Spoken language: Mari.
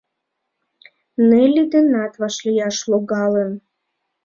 Нелли денат вашлияш логалын.